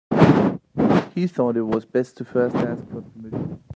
He thought it was best to first ask for permission.